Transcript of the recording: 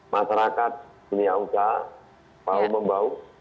masyarakat dunia ucah bau membau